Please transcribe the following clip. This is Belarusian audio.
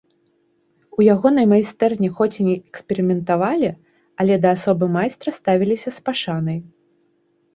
У ягонай майстэрні, хоць і не эксперыментавалі, але да асобы майстра ставіліся з пашанай.